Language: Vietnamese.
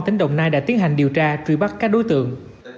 tỉnh đồng nai đã tiến hành điều tra truy bắt các đối tượng